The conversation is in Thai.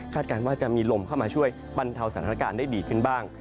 การว่าจะมีลมเข้ามาช่วยบรรเทาสถานการณ์ได้ดีขึ้นบ้าง